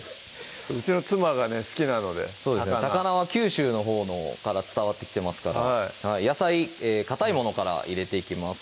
うちの妻が好きなので高菜は九州のほうから伝わってきてますから野菜かたいものから入れていきます